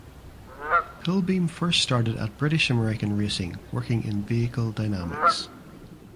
Pilbeam first started at British American Racing working in Vehicle Dynamics.